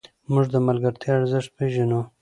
موږ د ملګرتیا ارزښت پېژنو.